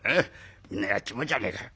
みんなやっちまおうじゃねえか。